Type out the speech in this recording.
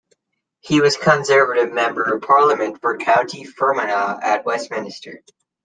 He was Conservative Member of Parliament for County Fermanagh at Westminster.